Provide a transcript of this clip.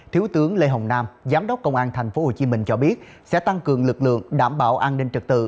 thiếu tướng lê hồng nam giám đốc công an tp hcm cho biết sẽ tăng cường lực lượng đảm bảo an ninh trật tự